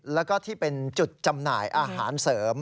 แล้วก็ที่เป็นจุดจำหน่ายอาหารเสริม